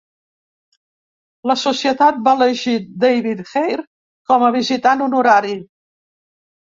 La societat va elegir David Hare com a visitant honorari.